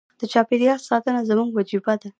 د چاپیریال ساتنه زموږ وجیبه ده.